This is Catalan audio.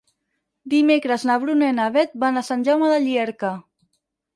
Dimecres na Bruna i na Beth van a Sant Jaume de Llierca.